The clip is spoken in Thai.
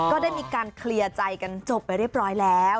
ก็ได้มีการเคลียร์ใจกันจบไปเรียบร้อยแล้ว